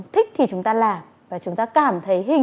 thích thì chúng ta làm và chúng ta cảm thấy hình